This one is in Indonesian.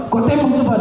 kamu tembak cepat